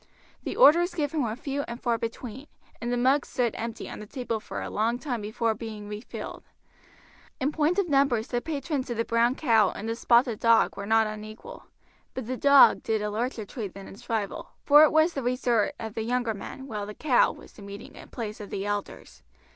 The orders given were few and far between, and the mugs stood empty on the table for a long time before being refilled. In point of numbers the patrons of the "Brown Cow" and the "Spotted Dog" were not unequal; but the "Dog" did a larger trade than its rival, for it was the resort of the younger men, while the "Cow" was the meeting place of the elders.